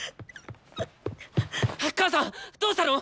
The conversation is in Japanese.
母さんどうしたの！？